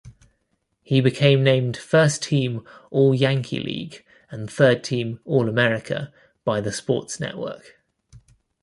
He became named first-team All-Yankee League and third-team All-America by The Sports Network.